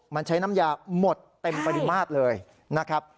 มันใช้น้ำยาหมดเต็มปริมาตรเลยนะครับ